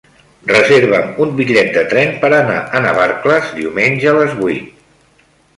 Reserva'm un bitllet de tren per anar a Navarcles diumenge a les vuit.